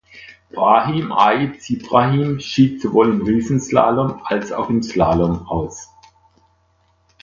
Brahim Ait Sibrahim schied sowohl im Riesenslalom als auch im Slalom aus.